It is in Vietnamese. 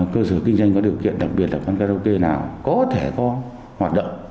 cơ sở kinh doanh có điều kiện đặc biệt là quán karaoke nào có thể có hoạt động